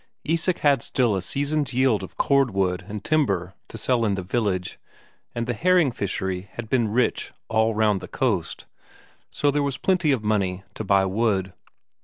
Isak had still a season's yield of cordwood and timber to sell in the village, and the herring fishery had been rich all round the coast, so there was plenty of money to buy wood.